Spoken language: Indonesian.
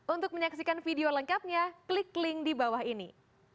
untuk menyaksikan video lengkapnya klik link di bawah ini